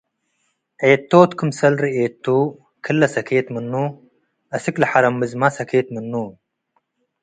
ዔቶት ክምሰል ርኤቱ፡፤ ክለ ሰኬት ምኑ፡ አስክ ለሐረም'ዝመ ሰኬት ምኑ።